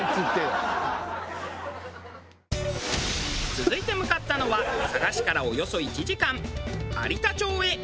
続いて向かったのは佐賀市からおよそ１時間有田町へ。